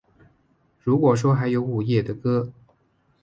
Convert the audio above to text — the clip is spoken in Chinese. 如果说还有午夜的歌